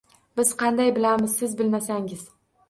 Biz qaydan bilamiz, siz bilmasangiz